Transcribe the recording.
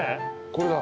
これだ。